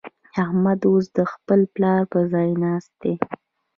احمد اوس د خپل پلار پر ځای ناست دی.